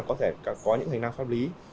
có thể có những hành năng pháp lý